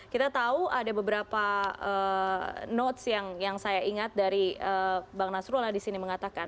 kita tahu ada beberapa notes yang saya ingat dari bang nasrullah disini mengatakan